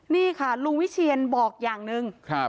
นี่ค่ะลุงวิเชียนบอกอย่างหนึ่ง